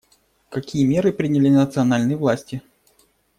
Какие меры приняли национальные власти?